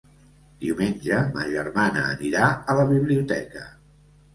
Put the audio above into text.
Diumenge ma germana anirà a la biblioteca.